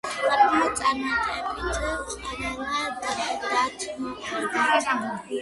საკმაოდ წარმატებით, ყველა დათვრა.